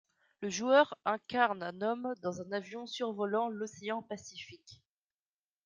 Le joueur incarne un homme dans un avion survolant l’océan Pacifique.